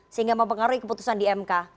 sehingga mempengaruhi keputusan di mk